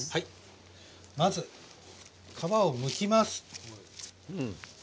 まず皮をむきます。